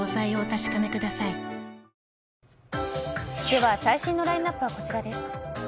では、最新のラインアップはこちらです。